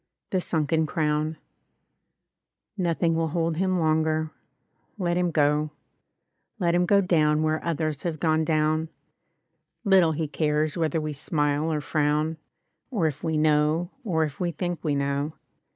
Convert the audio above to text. |S6| THE SUNKEN CROWN Nothing will hold him longer — ^let him go; Let him go down where others have gone down; Little he cares whether we smile or frown, Or if we know, or if we think we know.